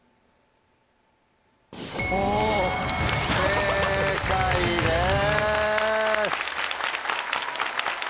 正解です。